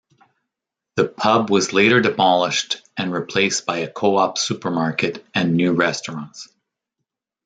The pub was later demolished and replaced by a Co-op supermarket and new restaurants.